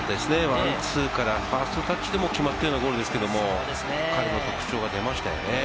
ワンツーからファーストタッチで決まったようなゴールですけれども、彼の特徴が出ましたよね。